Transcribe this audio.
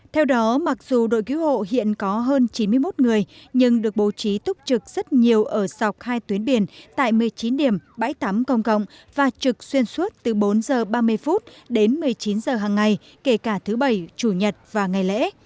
theo đó mặc dù đội cứu hộ hiện có hơn chín mươi một người nhưng được bố trí túc trực rất nhiều ở dọc hai tuyến biển tại một mươi chín điểm bãi tắm công cộng và trực xuyên suốt từ bốn h ba mươi đến một mươi chín h hàng ngày kể cả thứ bảy chủ nhật và ngày lễ